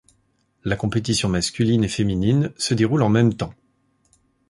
La compétition masculine et féminine se déroule en même temps.